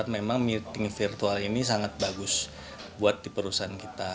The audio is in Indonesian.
memang meeting virtual ini sangat bagus buat di perusahaan kita